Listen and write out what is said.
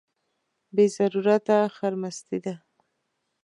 بې ضرورته خرمستي ده.